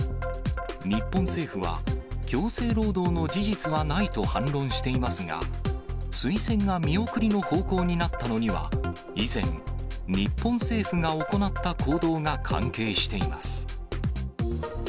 日本政府は、強制労働の事実はないと反論していますが、推薦が見送りの方向になったのには、以前、日本政府が行った行動が関係しています。